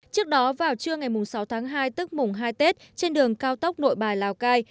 trước đó vào trưa ngày sáu tháng hai tức mùng hai tết trên đường cao tốc nội bài lào cai